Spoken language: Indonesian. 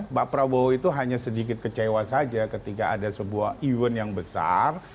mbak prabowo itu hanya sedikit kecewa saja ketika ada sebuah event yang besar